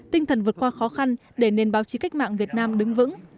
tinh thần vượt qua khó khăn để nền báo chí cách mạng việt nam đứng vững